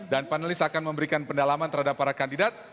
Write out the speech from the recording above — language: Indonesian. dan panelis akan memberikan pendalaman terhadap para kandidat